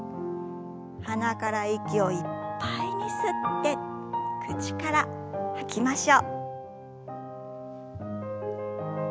鼻から息をいっぱいに吸って口から吐きましょう。